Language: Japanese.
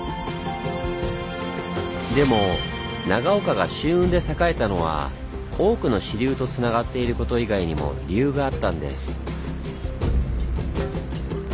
でも長岡が舟運で栄えたのは多くの支流とつながっていること以外にも理由があったんです。